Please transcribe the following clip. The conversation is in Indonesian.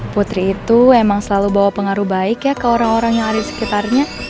putri itu memang selalu bawa pengaruh baik ya ke orang orang yang ada di sekitarnya